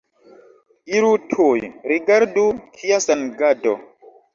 Iru tuj, rigardu, kia sangado!